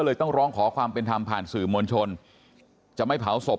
เลยต้องร้องขอความเป็นธรรมผ่านสื่อมวลชนจะไม่เผาศพ